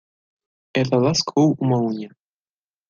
Ela lascou uma unha.